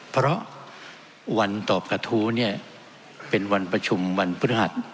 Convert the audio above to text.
เพราะวันตอบกระทู้เนี่ยเป็นวันประชุมวันพฤหัส